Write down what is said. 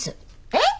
えっ！？